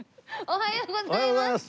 おはようございます。